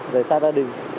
rời xa gia đình